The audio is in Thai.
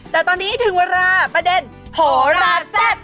แต่ตอนนี้ถึงเวลาประเด็นโหราแซ่บ